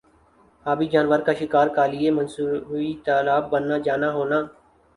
آبی جانور کا شکار کا لئے مصنوعی تالاب بننا جانا ہونا